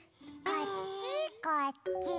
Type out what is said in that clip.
こっちこっち。